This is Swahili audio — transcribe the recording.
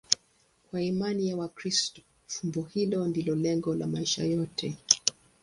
Kwa imani ya Wakristo, fumbo hilo ndilo lengo la maisha yote.